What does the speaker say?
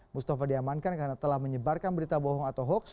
mustafa diamankan karena telah menyebarkan berita bohong atau hoax